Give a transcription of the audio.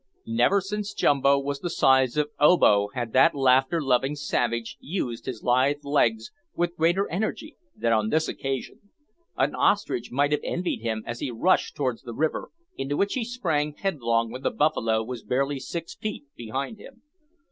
Never since Jumbo was the size of Obo had that laughter loving savage used his lithe legs with greater energy than on this occasion. An ostrich might have envied him as he rushed towards the river, into which he sprang headlong when the buffalo was barely six feet behind him.